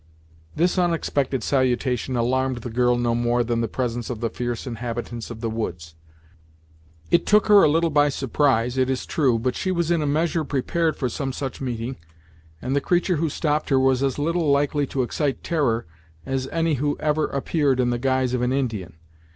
This unexpected salutation alarmed the girl no more than the presence of the fierce inhabitants of the woods. It took her a little by surprise, it is true, but she was in a measure prepared for some such meeting, and the creature who stopped her was as little likely to excite terror as any who ever appeared in the guise of an Indian.